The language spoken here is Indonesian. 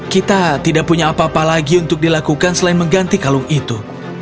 kita tidak punya apa apa lagi untuk dilakukan selain mengganti kalung itu